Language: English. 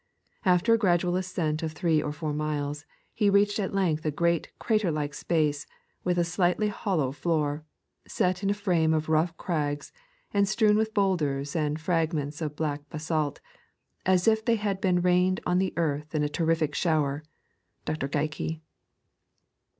After a gradual ascent of three oijfonr miles, He reached at length a great csrater Iike space, with a slightly hollow floor, set in a frame of rough crags, and strewn with boulders and fragments of black basalt — as if they had been rained on the earth in a terrific shower (Dr. Qeikie).